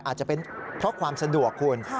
อาจจะเป็นเพราะความสะดวกคุณ